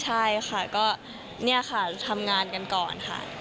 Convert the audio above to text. ใช่ค่ะก็เนี่ยค่ะทำงานกันก่อนค่ะ